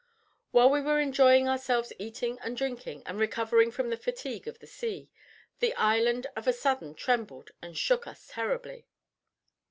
While we were enjoying ourselves eating and drinking, and recovering from the fatigue of the sea, the island of a sudden trembled and shook us terribly.